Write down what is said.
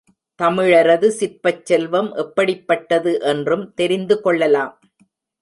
தமிழரது சிற்பச் செல்வம் எப்படிப்பட்டது என்றும் தெரிந்து கொள்ளலாம்.